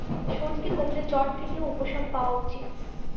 সর্দি কমলে জ্বর থেকেও উপশম পাওয়া উচিত।